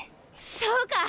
そうか！